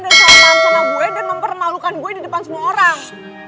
dan salam sama gue dan mempermalukan gue di depan semua orang